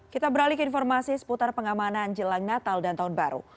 kita beralih ke informasi seputar pengamanan jelang natal dan tahun baru